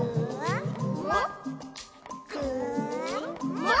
「もっ？